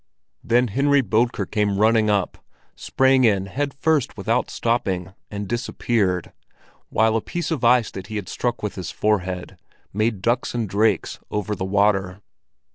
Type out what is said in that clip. Then Henry Bodker came running up, sprang in head first without stopping, and disappeared, while a piece of ice that he had struck with his forehead made ducks and drakes over the water.